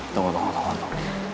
tunggu tunggu tunggu